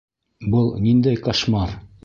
Был ниндәй кошмар?!